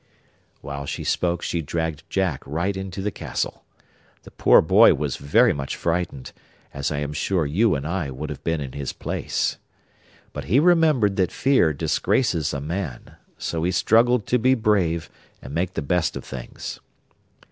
While she spoke she dragged Jack right into the castle. The poor boy was very much frightened, as I am sure you and I would have been in his place. But he remembered that fear disgraces a man; so he struggled to be brave and make the best of things.